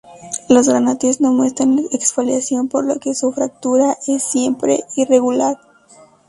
Los granates no muestran exfoliación, por lo que su fractura es siempre irregular.